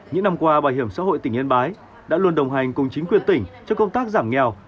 những năm qua bảo hiểm xã hội tỉnh yên bái đã luôn đồng hành cùng chính quyền tỉnh cho công tác giảm nghèo